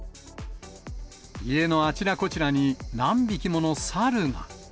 家のあちらこちらに何匹もの猿が。